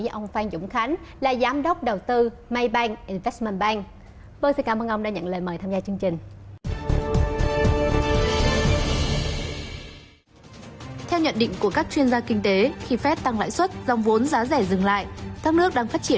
với ông phan dũng khánh là giám đốc đầu tư maybank investment bank